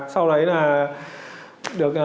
sau đấy là được